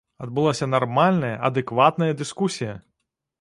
Адбылася нармальная, адэкватная дыскусія!